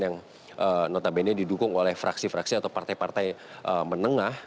yang notabene didukung oleh fraksi fraksi atau partai partai menengah